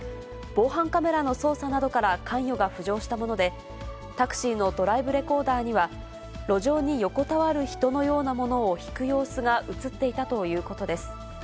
防犯カメラの捜査などから関与が浮上したもので、タクシーのドライブレコーダーには、路上に横たわる人のようなものをひく様子が写っていたということです。